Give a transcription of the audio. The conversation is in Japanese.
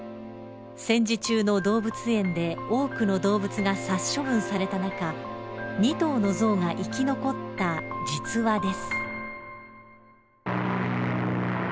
戦時中の動物園で多くの動物が殺処分された中２頭の象が生き残った実話です。